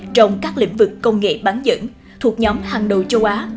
trong các lĩnh vực công nghệ bán dẫn thuộc nhóm hàng đầu châu á